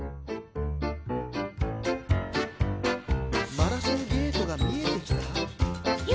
「マラソンゲートが見えてきた」